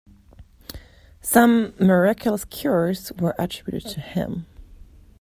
Some miraculous cures where attributed to him.